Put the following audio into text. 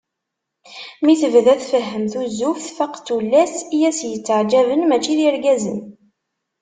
Mi tebda tfehhem tuzzuft, tfaq d tullas i as-yetteεjaben mačči d irgazen.